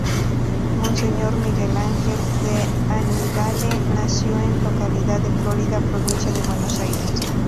Monseñor Miguel Ángel D’Annibale nació en la localidad de Florida, provincia de Buenos Aires.